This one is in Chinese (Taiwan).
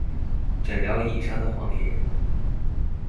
診療椅上的謊言